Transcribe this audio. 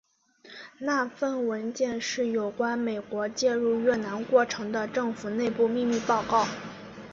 那份文件是有关美国介入越南过程的政府内部秘密报告。